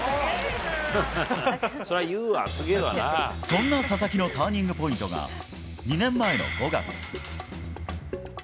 そんな佐々木のターニングポイントは２年前の５月。